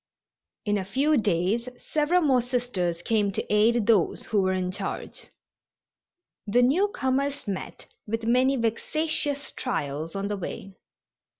In a few days several more Sisters came to aid those who were in charge. The newcomers met with many vexatious trials on the way.